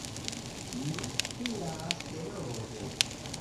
Ni spiras denove.